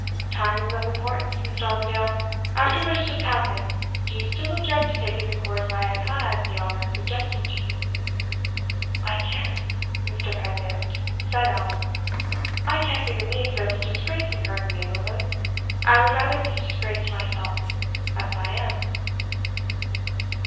"Time is of some importance, Mr. Armadale. After what has just happened, do you still object to taking the course I have had the honor of suggesting to you?" "I can't, Mr. Pedgift," said Allan. "I can't be the means of disgracing her in the neighborhood. I would rather be disgraced myself as I am."